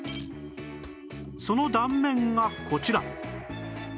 その断面がこちら